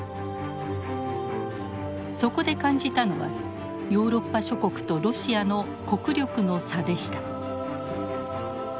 そこで感じたのはヨーロッパ諸国とロシアの国力の差でした。